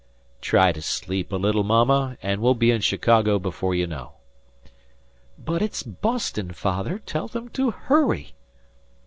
"Try to sleep a little, Mama, and we'll be in Chicago before you know." "But it's Boston, Father. Tell them to hurry."